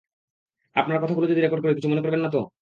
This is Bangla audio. আপনার কথাগুলো যদি রেকর্ড করি কিছু মনে করবেননা তো?